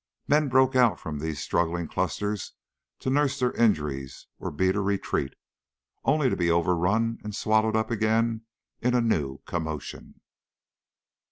Men broke out from these struggling clusters to nurse their injuries or beat a retreat, only to be overrun and swallowed up again in a new commotion.